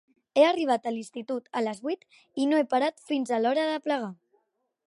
He arribat a l'institut a les vuit i no he parat fins a l'hora de plegar.